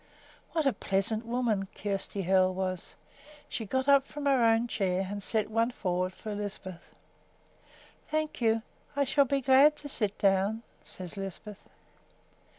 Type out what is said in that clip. What a pleasant woman Kjersti Hoel was! She got up from her own chair and set one forward for Lisbeth. "Thank you; I shall be glad to sit down," said Lisbeth.